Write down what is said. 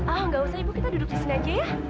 oh gak usah ibu kita duduk disini aja ya